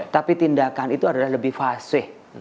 tapi tindakan itu adalah lebih fase